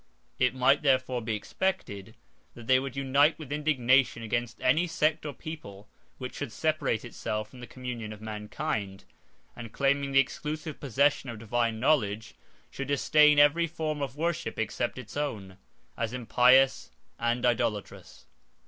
It might therefore be expected, that they would unite with indignation against any sect or people which should separate itself from the communion of mankind, and claiming the exclusive possession of divine knowledge, should disdain every form of worship, except its own, as impious and idolatrous.